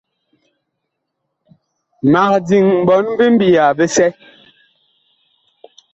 Mag diŋ ɓɔɔn bi mbiya bisɛ.